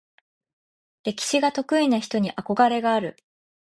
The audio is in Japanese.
歴史が得意な人に憧れがある。